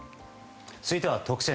続いては特選！！